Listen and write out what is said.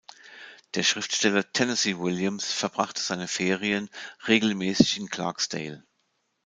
Der Schriftsteller Tennessee Williams verbrachte seine Ferien regelmäßig in Clarksdale.